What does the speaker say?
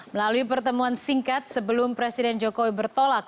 melalui pertemuan singkat sebelum presiden jokowi bertolak